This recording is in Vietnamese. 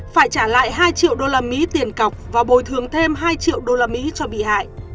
phải trả lại hai triệu usd tiền cọc và bồi thường thêm hai triệu usd cho bị hại